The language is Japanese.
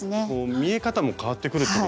見え方も変わってくるってことですよね。